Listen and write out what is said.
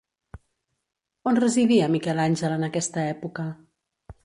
On residia Miquel Àngel en aquesta època?